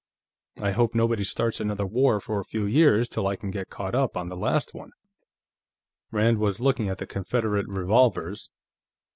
I hope nobody starts another war, for a few years, till I can get caught up on the last one." Rand was looking at the Confederate revolvers.